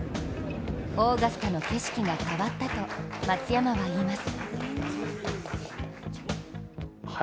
オーガスタの景色が変わったと松山は言います。